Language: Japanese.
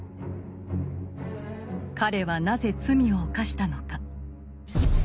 彼はなぜ罪を犯したのか？